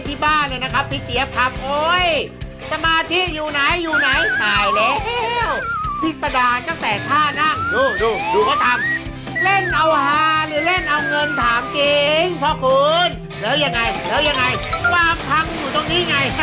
ความพังอยู่ตรงนี้ไง